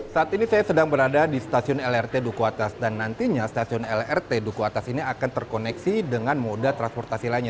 saat ini saya sedang berada di stasiun lrt duku atas dan nantinya stasiun lrt duku atas ini akan terkoneksi dengan moda transportasi lainnya